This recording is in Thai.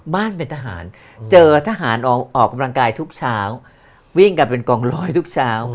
บ้านเป็นทหารเจอทหารออกกำลังกายทุกเช้าวิ่งกันเป็นกองร้อยทุกเช้า